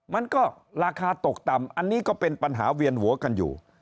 มันก็ราคาตกต่ำอันนี้ก็เป็นปัญหาเวียนหัวกันอยู่